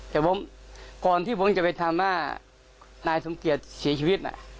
แต่ผมก่อนที่ผมจะไปถามว่านายสมเกียจเสียชีวิต